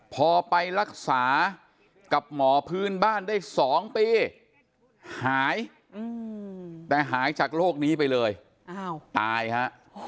พอไปรักษากับหมอพื้นบ้านได้๒ปีหายแต่หายจากโรคนี้ไปเลยตายฮะ